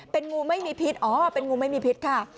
เป็นงูไม่มีพิษอ๋อเป็นงูไม่มีพิษค่ะ